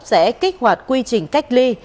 sẽ kích hoạt quy trình cách ly